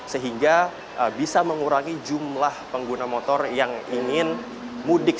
sehingga bisa mengurangi jumlah pengguna motor yang ingin mudik